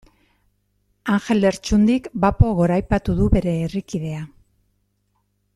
Anjel Lertxundik bapo goraipatu du bere herrikidea.